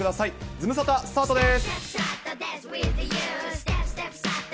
ズムサタ、スタートです。